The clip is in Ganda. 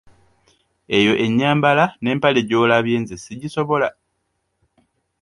Eyo enyambala n’empale gy’olabye nze sigisobola.